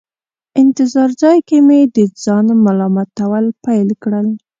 انتظار ځای کې مې د ځان ملامتول پیل کړل.